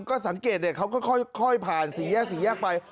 ก็สังเกตเขาก็ค่อยผ่านสีแยกไป